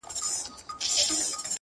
څڼور له ټولو څخه ورک دی;